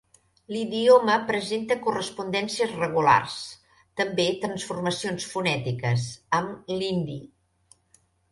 L'idioma presenta correspondències regulars, també transformacions fonètiques, amb l'hindi.